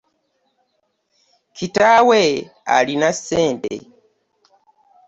Kitaawe alina ssente.